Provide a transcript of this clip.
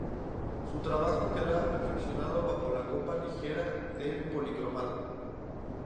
Su trabajo quedaba perfeccionado bajo la copa ligera del policromado.